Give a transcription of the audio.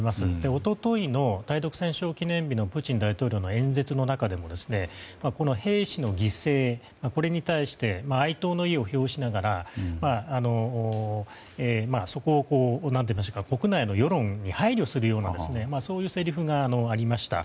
一昨日の対独戦勝記念日のプーチン大統領の演説の中でも兵士の犠牲に対して哀悼の意を表しながら国内の世論に配慮するようなそういうせりふがありました。